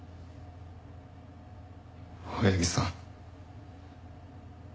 青柳さん。